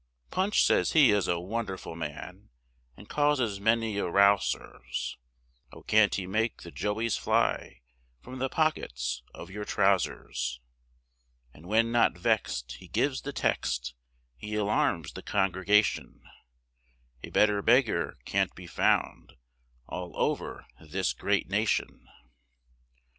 Punch says he is a wonderful man, And causes many a row, sirs, Oh, can't he make the joey's fly From the pockets of your trousers, And when not vexed, he gives the text, He alarms the congregation; A better beggar can't be found, All over this great nation.